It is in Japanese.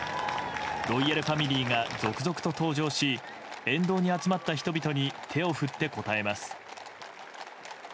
ロイヤルファミリーが続々と登場し沿道に集まった人々に手を振って応えます。